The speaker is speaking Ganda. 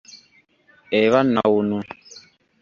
Eba nawunu.